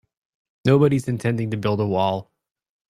Nobody's intending to build a wall.